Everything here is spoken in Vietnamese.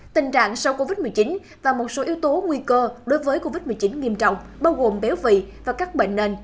tình trạng sau covid một mươi chín và một số yếu tố nguy cơ đối với covid một mươi chín nghiêm trọng bao gồm béo phì và các bệnh nền